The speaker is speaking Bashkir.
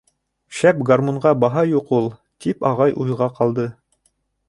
Шәп гармунға баһа юҡ ул, тип ағай уйға ҡалды.